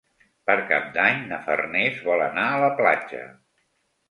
Per Cap d'Any na Farners vol anar a la platja.